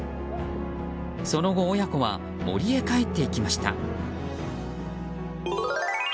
その後、親子は森へ帰っていきました。